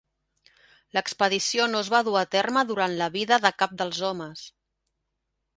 L'expedició no es va dur a terme durant la vida de cap dels homes.